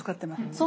そう。